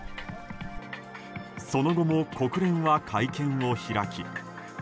その後も国連は会見を開き。